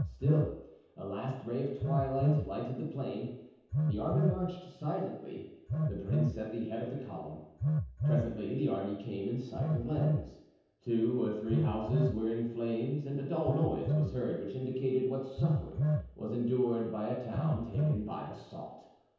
Still a last ray of twilight lighted the plain. The army marched silently, the prince at the head of the column. Presently the army came in sight of Lens; two or three houses were in flames and a dull noise was heard which indicated what suffering was endured by a town taken by assault.